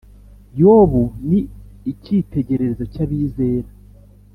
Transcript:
yobu ni ikitegererezo cya bizera